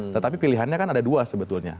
tetapi pilihannya kan ada dua sebetulnya